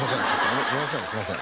すみません。